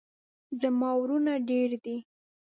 زما ورونه ډیر دي